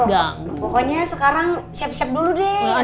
pokoknya sekarang siap siap dulu deh